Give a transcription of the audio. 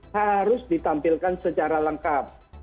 harus ditampilkan secara langkah langkah